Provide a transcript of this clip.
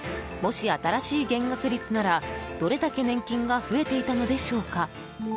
もし新しい減額率なら、どれだけ年金が増えていたのでしょうか。